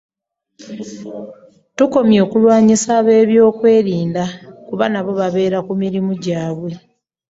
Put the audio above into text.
Tukomye okulwanyisa ab'ebyokwerinda kuba nabo babeera ku mirimu egyabwe.